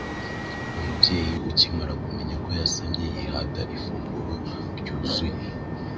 Umubyeyi ukimara kumenya ko yasamye yihata ifunguro ryuzuye.